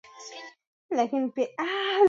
Elimu ya Lishe ni muhimu hasa Viazi Vitamu